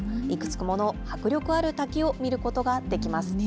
いくつもの迫力ある滝を見ることができます。